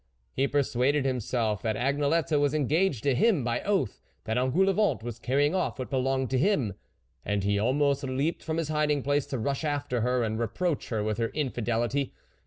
He persuaded himself that Agnelette was engaged to him by oath, that Engoulevent was carrying off what be longed to him, and he almost leaped from his hiding place to rush after her and re proach her with her infidelity.